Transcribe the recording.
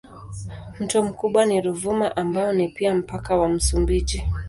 Mto mkubwa ni Ruvuma ambao ni pia mpaka wa Msumbiji.